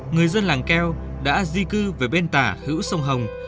người dân làng keo đã di cư về bên tả hữu sông hồng